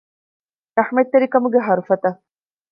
ރަޙްމަތްތެރިކަމުގެ ހަރުފަތަށް